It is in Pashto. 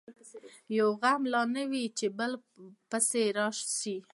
یو غم نه لا نه وي چي بل پر راسي